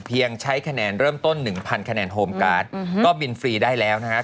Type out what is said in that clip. ยังใช้คะแนนเริ่มต้นหนึ่งพันคะแนนโฮมการ์ดก็บินฟรีได้แล้วนะครับ